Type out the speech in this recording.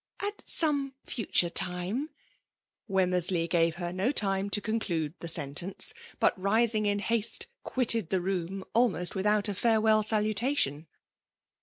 At sDne fiitote time "• Wemmersky gave her no time to conclude the sentenee ; bat rising in haste, quitted the room, ahnost without a farewell salutation.